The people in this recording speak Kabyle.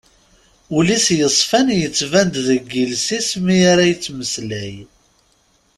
Ul-is yesfan yettban-d deg yiles-is mi ara yettmeslay.